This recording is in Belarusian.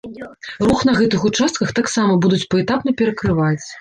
Рух на гэтых участках таксама будуць паэтапна перакрываць.